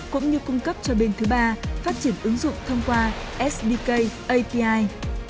cũng như cung cấp cho bên thứ ba phát triển ứng dụng thông qua sdk api